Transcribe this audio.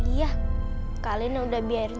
iya kalian yang udah biarin